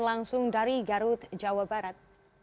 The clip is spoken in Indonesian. langsung dari garut jawa barat